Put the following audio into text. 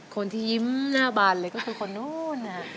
คนที่ยิ้มหน้าบานเลยก็คือคนนู้น